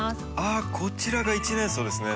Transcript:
あこちらが１年草ですね。